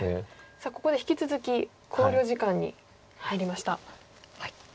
さあここで引き続き考慮時間に入りました。